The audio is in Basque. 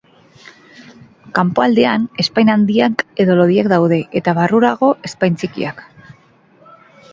Kanpoaldean, ezpain handiak edo lodiak daude eta barrurago ezpain txikiak.